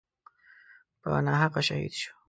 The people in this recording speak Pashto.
په ناحقه شهید شو.